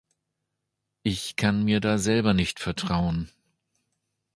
Ich kann mir da selber nicht vertrauen.